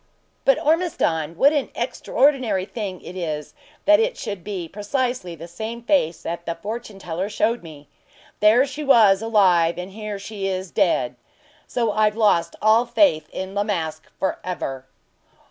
"But, Ormiston, what an extraordinary thing it is that it should be precisely the same face that the fortune teller showed me. There she was alive, and here she is dead; so I've lost all faith in La Masque for ever."